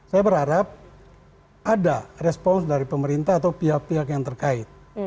saya berharap ada respons dari pemerintah atau pihak pihak yang terkait